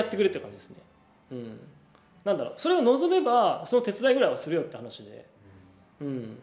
それを望めばその手伝いぐらいはするよって話で。